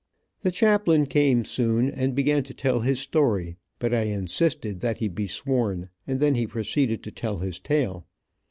The chaplain came soon, and began to tell his story, but I insisted, that he be sworn, and then he proceeded to tell his tale.